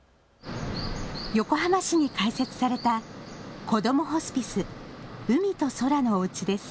横浜市に開設されたこどもホスピスうみとそらのおうちです。